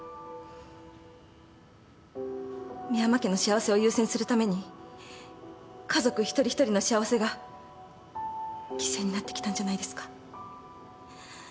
深山家の幸せを優先するために家族一人一人の幸せが犠牲になってきたんじゃないですか？